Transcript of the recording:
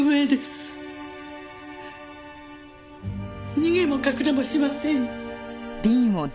逃げも隠れもしません。